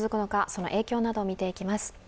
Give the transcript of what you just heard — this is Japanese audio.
その影響などを見ていきます。